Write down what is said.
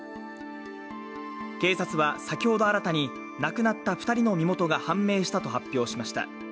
警察は、先ほど新たに亡くなった２人の身元が判明したと発表しました。